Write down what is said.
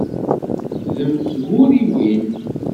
D mm tguriwin.